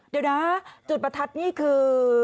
เดี๋ยวนะจุดประทัดนี่คือ